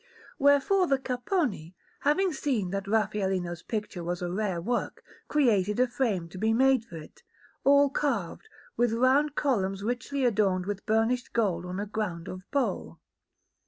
Wherefore the Capponi, having seen that Raffaellino's picture was a rare work, caused a frame to be made for it, all carved, with round columns richly adorned with burnished gold on a ground of bole.